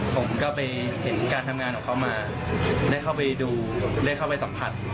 ผมก็ไปเห็นการทำงานของเขามาได้เข้าไปดูได้เข้าไปสัมผัส